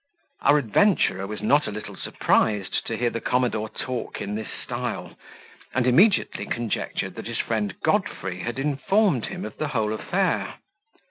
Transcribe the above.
Our adventurer was not a little surprised to hear the commodore talk in this style; and immediately conjectured that his friend Godfrey had informed him of the whole affair.